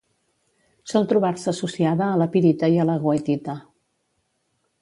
Sol trobar-se associada a la pirita i a la goethita.